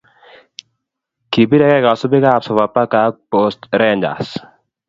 kipirkee kasubik ab sofapaka ak Post rangers